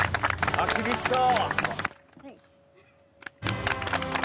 あっ厳しそう。